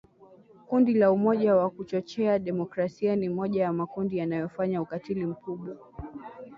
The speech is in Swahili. Kundi la Umoja wa Kuchochea Demokrasia ni moja ya makundi yanayofanya ukatili mkubwa